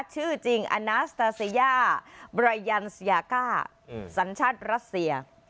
ชื่อจริงอานาสตาเซียสัญชาติรัสเซีย